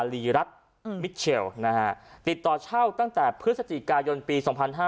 รีรัฐมิชเชลนะฮะติดต่อเช่าตั้งแต่พฤศจิกายนปี๒๕๕๙